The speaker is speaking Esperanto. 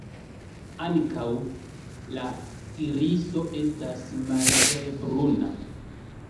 Ankaŭ la iriso estas malhelbruna.